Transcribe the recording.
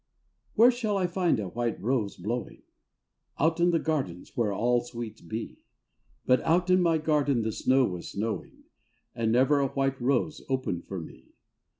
Y^HERE shall I find a white rose blowing? — Out in the garden where all sweets be.— But out in my garden the snow was snowing And never a white rose opened for me.